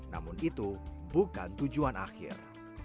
namun itu bukan tujuan akhir